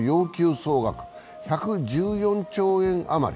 総額１１４兆円余り。